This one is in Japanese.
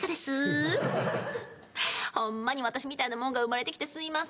ホンマに私みたいなもんが生まれてきてすいません。